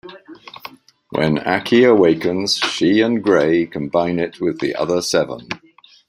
When Aki awakens, she and Gray combine it with the other seven.